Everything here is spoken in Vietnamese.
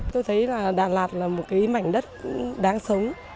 tôi thấy đà lạt là một mảnh đất đáng sống